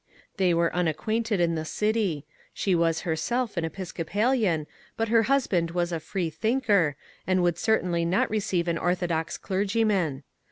They were unacquainted in the city. She was herself an Episcopa lian, but her husband was a freethinker, and would certainly not receive an orthodox clergyman.